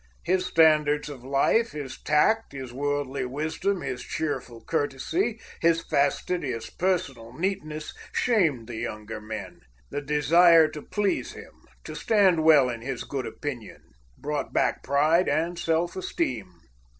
His standard of life, his tact, his worldly wisdom, his cheerful courtesy, his fastidious personal neatness shamed the younger men; the desire to please him, to, stand well in his good opinion, brought back pride and self esteem.